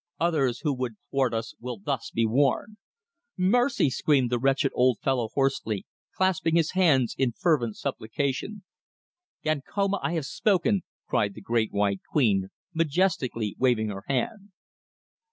Others who would thwart us will thus be warned." "Mercy!" screamed the wretched old fellow hoarsely, clasping his hands in fervent supplication. "Gankoma, I have spoken," cried the Great White Queen, majestically waving her hand.